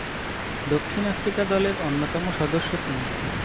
দক্ষিণ আফ্রিকা দলের অন্যতম সদস্য তিনি।